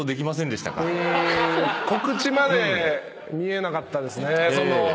告知まで見えなかったですね。